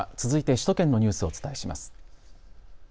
続いて首都圏のニュースをお伝えします。